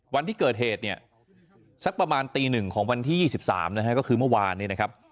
วันที่เกิดเหตุเนี่ยสักประมาณตีหนึ่งของวันที่๒๓นะฮะก็คือเมื่อวานเนี่ยนะครับ